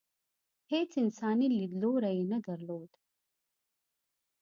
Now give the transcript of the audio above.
هېڅ انساني لیدلوری یې نه درلود.